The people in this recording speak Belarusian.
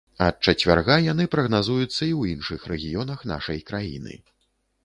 Ад чацвярга яны прагназуюцца і ў іншых рэгіёнах нашай краіны.